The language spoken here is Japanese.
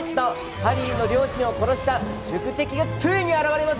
ハリーの両親を殺した宿敵がついに現れます。